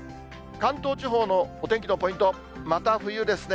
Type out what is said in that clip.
関東地方のお天気のポイント、また冬ですね。